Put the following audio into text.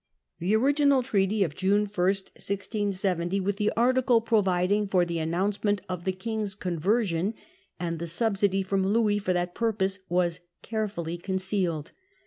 The original treaty of June 1, 1670, with the article providing for the announcement of the King's conversion an A the subsidy from Louis for that purpose, was carefully concealed.